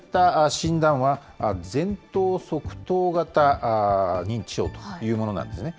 公表された診断は、前頭側頭型認知症というものなんですね。